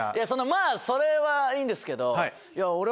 まぁそれはいいんですけど。